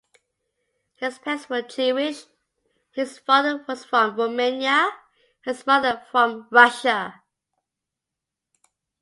His parents were Jewish; his father was from Romania, and his mother from Russia.